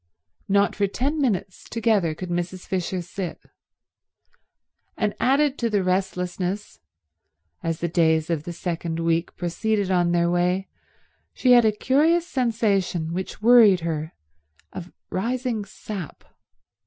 Not for ten minutes together could Mrs. Fisher sit. And added to the restlessness, as the days of the second week proceeded on their way, she had a curious sensation, which worried her, of rising sap.